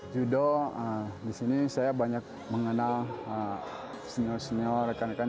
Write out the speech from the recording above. judo disini saya banyak mengenal senior senior rekan rekan